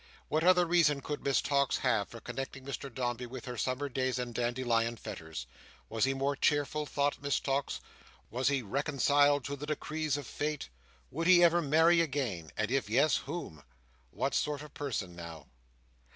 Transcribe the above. What other reason could Miss Tox have for connecting Mr Dombey with her summer days and dandelion fetters? Was he more cheerful? thought Miss Tox. Was he reconciled to the decrees of fate? Would he ever marry again? and if yes, whom? What sort of person now!